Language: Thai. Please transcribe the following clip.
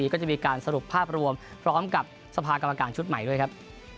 ก็จะมีการสรุปภาพรวมพร้อมกับสภากรรมการชุดใหม่ด้วยครับ